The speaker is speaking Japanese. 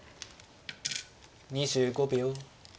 ２５秒。